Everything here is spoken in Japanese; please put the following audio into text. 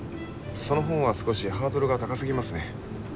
その本は少しハードルが高すぎますね。